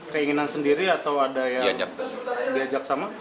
keinginan sendiri atau ada yang diajak sama